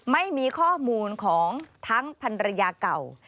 ไม่มีข้อมูลของทั้งพันรยาเก่า